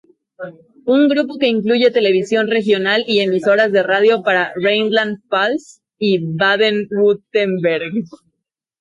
Un grupo que incluye televisión regional y emisoras de radio para Rheinland-Pfalz y BadenWürttemberg.